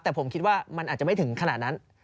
แต่ผมคิดว่ามันอาจจะไม่ถึงขนาดนั้น